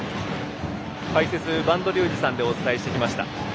解説、播戸竜二さんでお伝えしてきました。